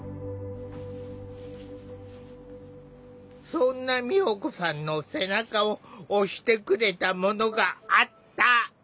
そんな美保子さんの背中を押してくれたものがあった。